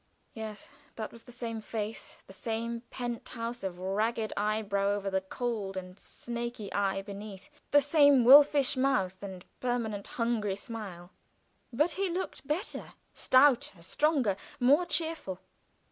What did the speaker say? Yes; that was the same face, the same pent house of ragged eyebrow over the cold and snaky eye beneath, the same wolfish mouth and permanent hungry smile. But he looked better, stouter, stronger; more cheerful.